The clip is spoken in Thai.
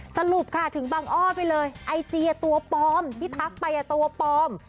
สรุปค่ะถึงบังอ้อไปเลยไอจีตัวปลอมที่ทักไปตัวปลอม